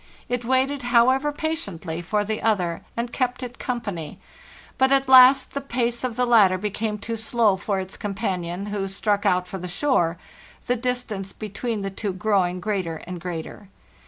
It waited, however, patiently for the other, and kept it company; but at last the pace of the latter became too slow for its companion, who struck out for the shore, the distance between the two growing greater and greater.